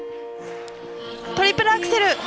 トリプルアクセル。